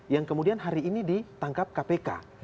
yang kemudian hari ini ditangkap kpk